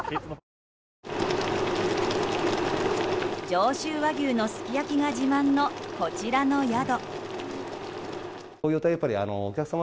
上州和牛のすき焼きが自慢のこちらの宿。